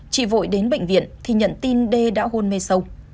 chị vội đến bệnh viện thì nhận tin đê đã hôn mê sâu